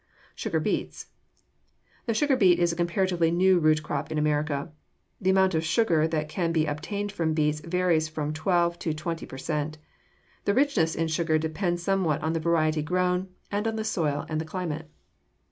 =Sugar Beets.= The sugar beet is a comparatively new root crop in America. The amount of sugar that can be obtained from beets varies from twelve to twenty per cent. The richness in sugar depends somewhat on the variety grown and on the soil and the climate.